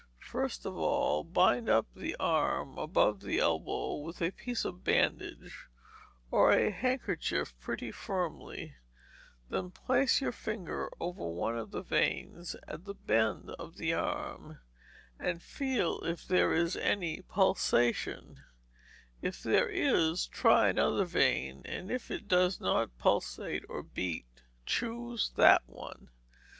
First of all, bind up the arm above the elbow with a piece of bandage or a handkerchief pretty firmly, then place your finger over one of the veins at the bend of the arm, and feel if there is any pulsation; if there is, try another vein, and if it does not pulsate or beat, choose that one.